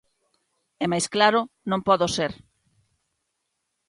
E máis claro non podo ser.